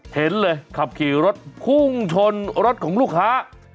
เห็นเลยขับขี่รถพุ่งชนรถของลูกค้า